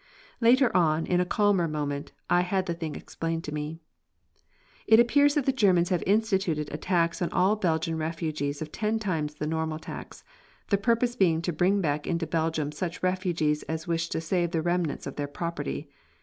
Later on, in a calmer moment, I had the thing explained to me. It appears that the Germans have instituted a tax on all the Belgian refugees of ten times the normal tax; the purpose being to bring back into Belgium such refugees as wish to save the remnants of their property.